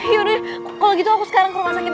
yaudah kalo gitu aku sekarang ke rumah sakit deh